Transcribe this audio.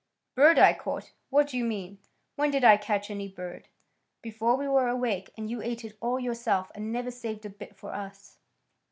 "Bird I caught! What d'you mean? When did I catch any bird?" "Before we were awake. And you ate it all yourself, and never saved a bit for us."